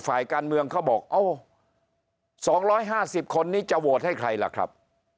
ฝ่ายการเมืองเขาบอกโอ้๒๕๐คนนี้จะโหวตให้ใครล่ะครับ